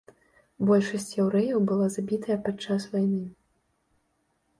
Большасць яўрэяў была забітая пад час вайны.